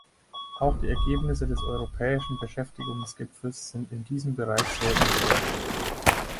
Auch die Ergebnisse des Europäischen Beschäftigungsgipfels sind in diesem Bereich sehr unbedeutend.